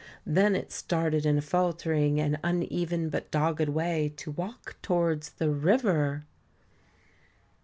Then it started in a faltering and uneven, but dogged, way to walk towards the river.